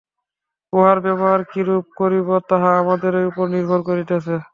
উহার ব্যবহার কিরূপে করিব তাহা আমাদেরই উপর নির্ভর করিতেছে।